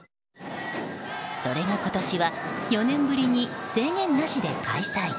それが今年は４年ぶりに制限なしで開催。